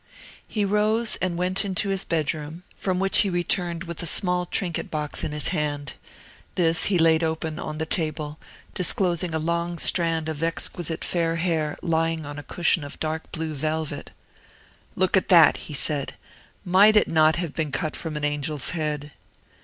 He rose, and went into his bedroom, from which he returned with a small trinket box in his hand. This he laid open on the table, disclosing a long strand of exquisite fair hair lying on a cushion of dark blue velvet. "Look at that," he said. "Might it not have been cut from an angel's head?"